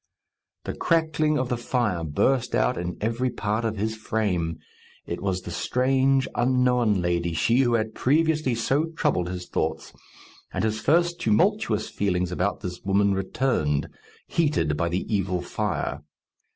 The crackling of the fire burst out in every part of his frame. It was the strange, unknown lady, she who had previously so troubled his thoughts; and his first tumultuous feelings about this woman returned, heated by the evil fire.